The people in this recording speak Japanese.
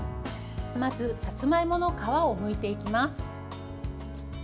まず、さつまいもの皮をむいていきます。